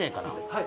はい。